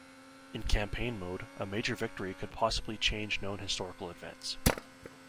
In Campaign Mode, a major victory could possibly change known historical events.